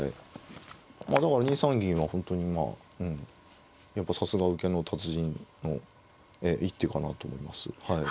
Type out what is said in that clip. まあだから２三銀は本当にやっぱさすが受けの達人の一手かなと思います。